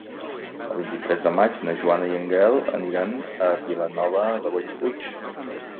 El vint-i-tres de maig na Joana i en Gaël aniran a Vilanova de Bellpuig.